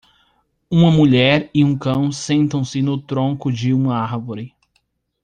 Uma mulher e um cão sentam-se no tronco de uma árvore.